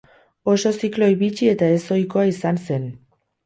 Oso zikloi bitxi eta ez ohikoa izan zen.